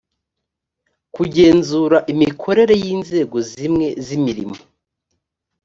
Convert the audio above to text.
kugenzura imikorere y inzego zimwe z imirimo